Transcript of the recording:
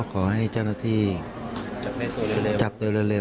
ครับ